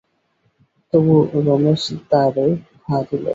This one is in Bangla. তবু রমেশ দ্বারে ঘা দিল।